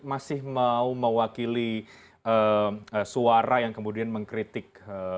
masih mau mewakili suara yang kemudian mengkritik